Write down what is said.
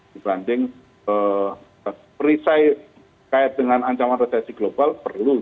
dibanding perisai kait dengan ancaman resesi global perlu